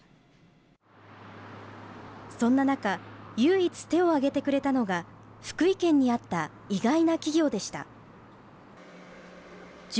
そんな中、唯一手を挙げてくれたのが、福井県にあった意外な企業でした。